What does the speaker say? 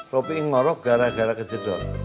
ropi ngorok gara gara kejedotnya